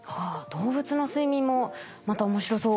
動物の睡眠もまた面白そうですね。